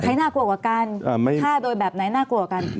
น่ากลัวกว่ากันฆ่าโดยแบบไหนน่ากลัวกัน